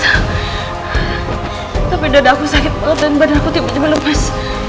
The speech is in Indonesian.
tapi dada aku sakit banget dan badan aku tiba tiba lepas